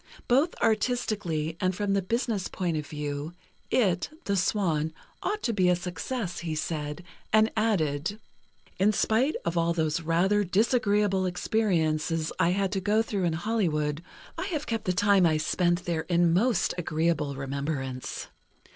Both artistically and from the business point of view, it ("The Swan") ought to be a success, he said, and added: In spite of all those rather disagreeable experiences I had to go through in Hollywood, I have kept the time I spent there in most agreeable remembrance.